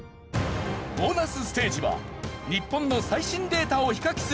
ボーナスステージは日本の最新データを比較する